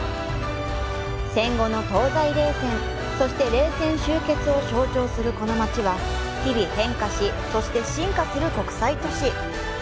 戦後の東西冷戦、そして、冷戦終結を象徴するこの街は日々変化し、そして進化する国際都市。